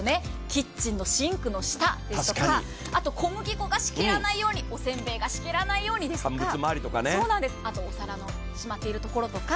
キッチンのシンクの下ですとか、あと小麦粉がしけらないように、おせんべいがしけらないように、あとお皿のしまってあるところとか。